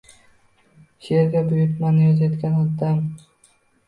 Sherga buyurtmani yozayotgan dam